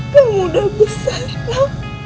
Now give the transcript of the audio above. danum udah besar pak